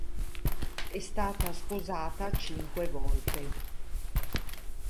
È stata sposata cinque volte.